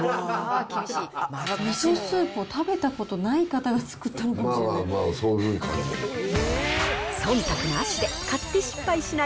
味噌スープを食べたことない方が作ったのかもしれない。